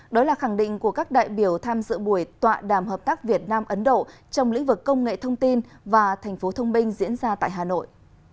đó là khẳng định của các đại biểu tham dự buổi tọa đàm hợp tác việt nam ấn độ trong lĩnh vực công nghệ thông tin và thành phố thông minh diễn ra tại hà nội